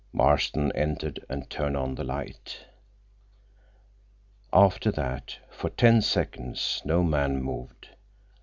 Marston entered and turned on the light. After that, for ten seconds, no man moved.